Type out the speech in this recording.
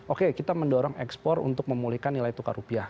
oke kita mendorong ekspor untuk memulihkan nilai tukar rupiah